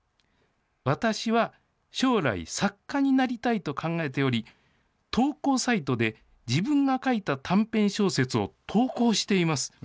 私は将来、作家になりたいと考えており、投稿サイトで自分が書いた短編小説を投稿しています。